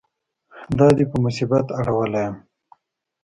دا دې په مصیبت اړولی یم.